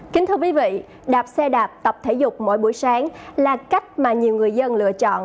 kính thưa quý vị đạp xe đạp tập thể dục mỗi buổi sáng là cách mà nhiều người dân lựa chọn